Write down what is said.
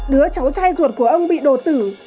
đứa cháu trai ruột của ông bị đột tử